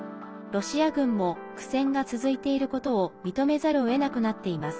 ロシア軍も苦戦が続いていることを認めざるをえなくなっています。